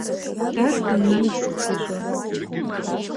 Дарбан, нан, бзацәажәо!